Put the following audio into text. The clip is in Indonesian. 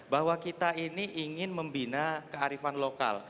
bahwa kita ini ingin membina kearifan lokal